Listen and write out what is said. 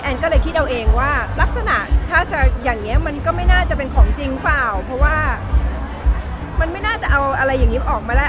ก็เลยคิดเอาเองว่าลักษณะถ้าจะอย่างนี้มันก็ไม่น่าจะเป็นของจริงเปล่าเพราะว่ามันไม่น่าจะเอาอะไรอย่างนี้ออกมาแล้ว